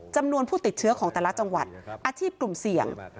จำนวนผู้ติดเชื้อของแต่ละจังหวัดอาชีพกลุ่มเสี่ยง